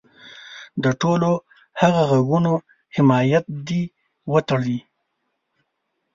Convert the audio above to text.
د ټولو هغه غږونو حمایت دې وتړي.